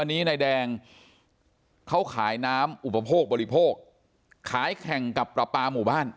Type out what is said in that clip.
อันนี้นายแดงเขาขายน้ำอุปโภคบริโภคขายแข่งกับปลาปลาหมู่บ้าน